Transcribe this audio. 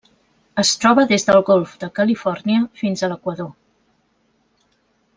Es troba des del Golf de Califòrnia fins a l'Equador.